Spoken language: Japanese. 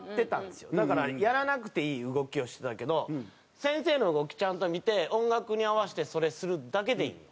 だからやらなくていい動きをしてたけど先生の動きちゃんと見て音楽に合わせてそれするだけでいいんよ。